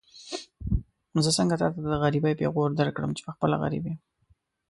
زه څنګه تاته د غريبۍ پېغور درکړم چې پخپله غريب يم.